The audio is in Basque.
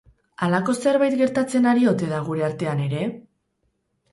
Halako zerbait gertatzen ari ote da gure artean ere?